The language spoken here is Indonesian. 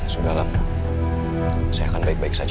sudahlah saya akan baik baik saja